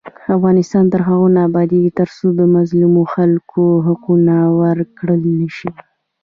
افغانستان تر هغو نه ابادیږي، ترڅو د مظلومو خلکو حقونه ورکړل نشي.